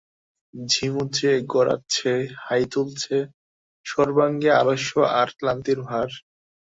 ঝিমুচ্ছে, গড়াচ্ছে, হাই তুলছে, সর্বাঙ্গে আলস্য আর ক্লান্তির ভার।